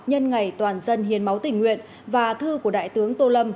nhân ngày toàn dân hiến máu tình nguyện và thư của đại tướng tô lâm